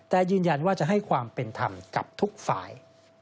แต่ยืนยันว่าจะให้ความเป็นธรรมกับทุกฝ่าย